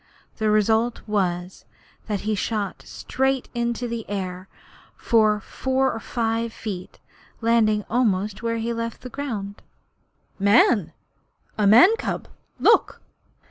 The result was that he shot up straight into the air for four or five feet, landing almost where he left ground. 'Man!' he snapped. 'A man's cub. Look!'